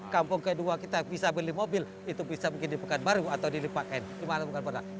kampung kedua kita bisa beli mobil itu bisa mungkin di pekanbaru atau di lipatkan gimana bukan berdasarkan itu